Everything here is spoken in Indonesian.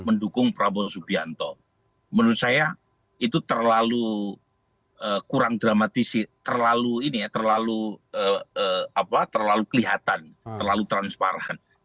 menurut saya itu terlalu kurang dramatis terlalu kelihatan terlalu transparan